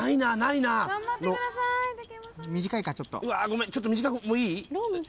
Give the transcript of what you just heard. ごめんちょっと短くもういい？